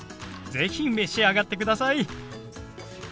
是非召し上がってください。